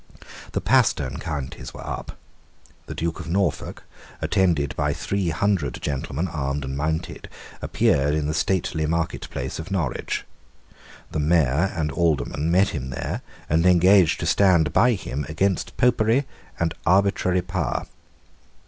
The Pastern Counties were up. The Duke of Norfolk, attended by three hundred gentlemen armed and mounted, appeared in the stately marketplace of Norwich. The Mayor and Aldermen met him there, and engaged to stand by him against Popery and arbitrary power.